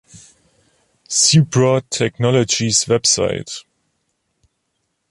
Zebra Technologies Website